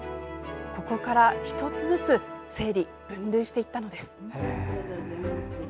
ここから１つずつ整理・分類していったんです。